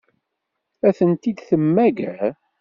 Ad tent-id-temmager?